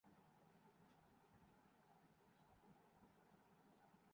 وہ قیمتی محل وقوع ہے۔